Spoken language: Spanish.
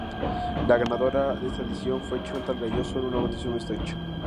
La ganadora de esta edición fue Chantal Gayoso, en una votación muy estrecha.